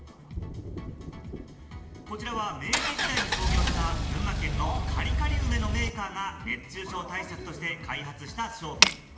こちらは明治時代に創業した群馬県のカリカリ梅のメーカーが熱中症対策として開発した商品。